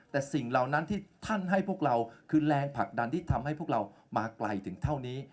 แต่สิ่งเหล่านั้นที่ท่านให้พวกเราคือแรงผลักดันที่ทำให้พวกเรามาไกลถึงเท่านี้